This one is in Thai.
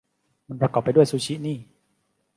มันประกอบไปด้วยซูชินี่